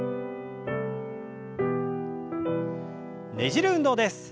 ねじる運動です。